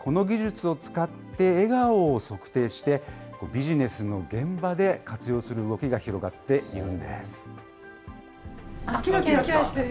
今、この技術を使って笑顔を測定して、ビジネスの現場で活用する動きが広がっているんです。